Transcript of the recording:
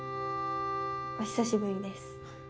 お久しぶりです。